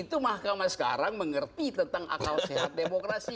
itu mahkamah sekarang mengerti tentang akal sehat demokrasi